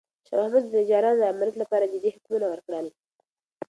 شاه محمود د تجارانو د امنیت لپاره جدي حکمونه ورکړل.